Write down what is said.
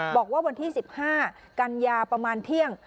บอกว่าวันที่๑๕กันยาประมาณเที่ยง